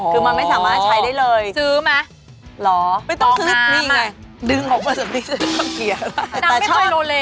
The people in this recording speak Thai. อ๋อคือมันไม่สามารถใช้ได้เลยซื้อมั้ยหรอฟองน้ำไม่ต้องซื้อนี่ไงดึงออกไปซะน้ำไม่ค่อยโรเล